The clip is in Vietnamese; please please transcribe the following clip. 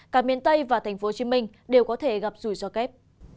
cả miền tây và tp hcm đều có thể gặp rủi ro kép